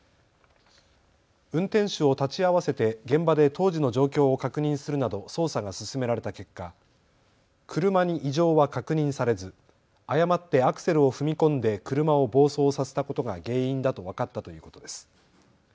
運転手を立ち会わせて現場で当時の状況を確認するなど捜査が進められた結果、車に異常は確認されず誤ってアクセルを踏み込んで車を暴走させたことが原因だと分かったということです。